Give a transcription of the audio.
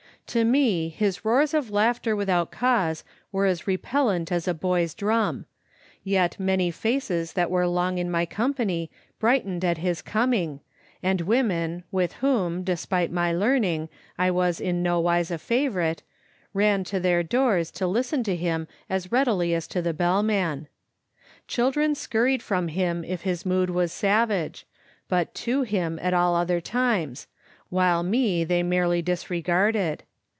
To me his roars of laugh ter without cause were as repellent as a boy's drum; yet many faces that were long in my company bright ened at his coming, and women, with whom, despite my learning, I was in no wise a favorite, ran to their doors to listen to him as readily as to the bell man. Children scurried from him if his mood was savage, but to him at all other times, while me they merely disregarded.